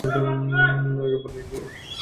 আগে এলে আগে যাবে এই পদ্ধতি নয়।